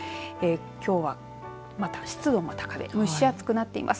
きょうはまた湿度も高めで蒸し暑くなっています。